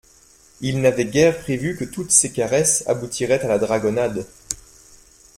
Ils n'avaient guère prévu que toutes ces caresses aboutiraient à la dragonnade.